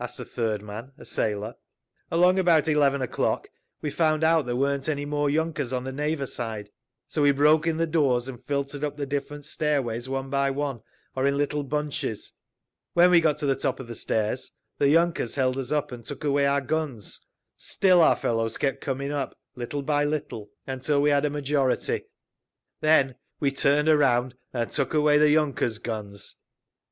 asked a third man, a sailor. "Along about eleven o'clock we found out there weren't any more yunkers on the Neva side. So we broke in the doors and filtered up the different stairways one by one, or in little bunches. When we got to the top of the stairs the yunkers held us up and took away our guns. Still our fellows kept coming up, little by little, until we had a majority. Then we turned around and took away the yunkers' guns…."